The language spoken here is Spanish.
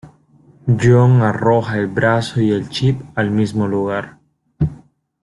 John arroja el brazo y el chip al mismo lugar.